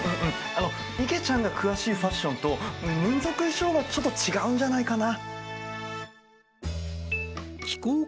あのいげちゃんが詳しいファッションと民族衣装はちょっと違うんじゃないかな？